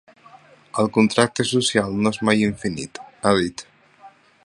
El contracte social no és mai infinit –ha dit–.